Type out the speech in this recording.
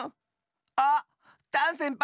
あっダンせんぱい！